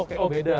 oke oh beda